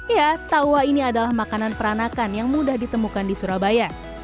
ya tawa ini adalah makanan peranakan yang mudah ditemukan di surabaya